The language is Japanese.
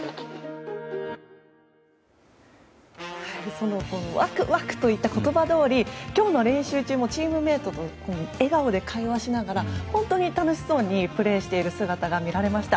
その、ワクワクといった言葉どおり今日の練習中もチームメートと笑顔で会話しながら本当に楽しそうにプレーしている姿が見られました。